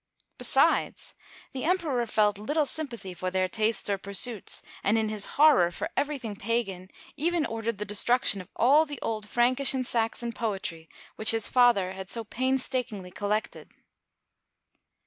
Besides, the Emperor felt little sympathy for their tastes or pursuits, and in his horror for everything pagan, even ordered the destruction of all the old Prankish and Saxon poetry, which his father had so painstakingly collected.